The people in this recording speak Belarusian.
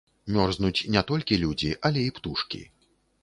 Мёрзнуць не толькі людзі, але і птушкі.